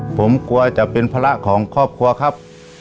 ผมกลัวจะเป็นภาระของครอบครัวครับ